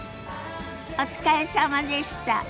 お疲れさまでした。